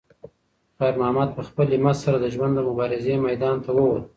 خیر محمد په خپل همت سره د ژوند د مبارزې میدان ته وووت.